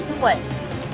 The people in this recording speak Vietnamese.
thực tế đã cho thấy